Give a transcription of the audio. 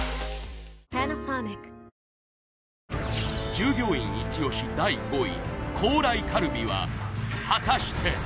従業員イチ押し第５位高麗カルビは果たして？